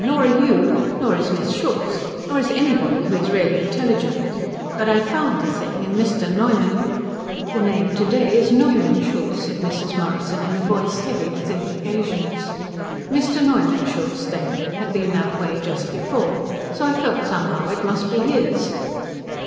Nor are you. Nor is Miss Schultz. Nor is anybody who is really intelligent. But I found the thing, and Mr. Neumann " "The name to day is Neumann Schultz," said Mrs. Morrison, in a voice heavy with implications. "Mr. Neumann Schultz, then, had been that way just before, and so I felt somehow it must be his."